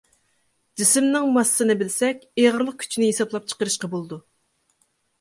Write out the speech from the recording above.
جىسىمنىڭ ماسسىسىنى بىلسەك ئېغىرلىق كۈچىنى ھېسابلاپ چىقىرىشقا بولىدۇ.